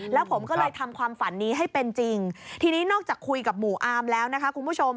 แล้วผมก็เลยทำความฝันนี้ให้เป็นจริงทีนี้นอกจากคุยกับหมู่อามแล้วนะคะคุณผู้ชม